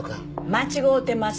間違うてません。